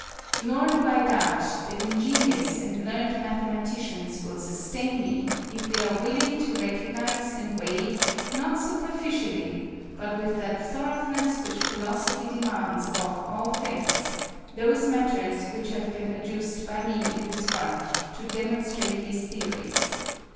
Nor do I doubt that ingenious and learned mathematicians will sustain me, if they are willing to recognize and weigh, not superficially, but with that thoroughness which Philosophy demands above all things, those matters which have been adduced by me in this work to demonstrate these theories.